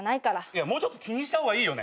いやもうちょっと気にした方がいいよ。